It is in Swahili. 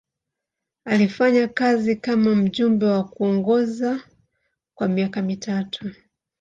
Alifanya kazi kama mjumbe na kuongoza kwa miaka mitatu.